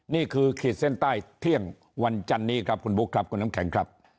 ขีดเส้นใต้เที่ยงวันจันนี้ครับคุณบุ๊คครับคุณน้ำแข็งครับ